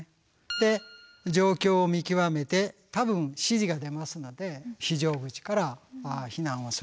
で状況を見極めて多分指示が出ますので非常口から避難をするということですが。